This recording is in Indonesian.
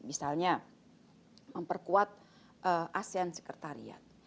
misalnya memperkuat asean secretariat